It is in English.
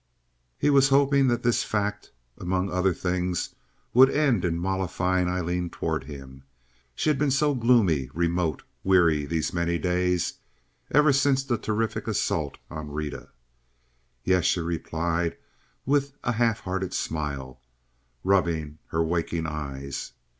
He was hoping that this fact, among other things, would end in mollifying Aileen toward him. She had been so gloomy, remote, weary these many days—ever since the terrific assault on Rita. "Yes?" she replied, with a half hearted smile, rubbing her waking eyes.